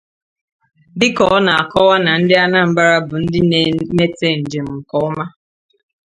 Dịka ọ na-akọwa na ndị Anambra bụ ndị na-emete njem nke ọma